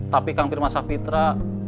tapi kang pir man sah pitra